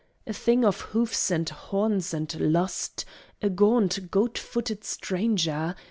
A thing of hoofs and horns and lust: A gaunt, goat footed stranger!